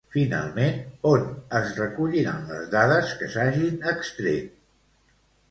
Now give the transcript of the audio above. Finalment, on es recolliran les dades que s'hagin extret?